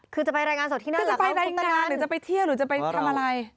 คือจะไปรายงานสดที่นั่นจะไปทำงานหรือจะไปเที่ยวหรือจะไปทำอะไร